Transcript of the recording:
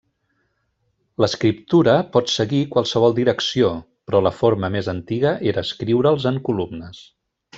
L'escriptura pot seguir qualsevol direcció, però la forma més antiga era escriure'ls en columnes.